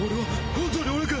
本当に俺か！？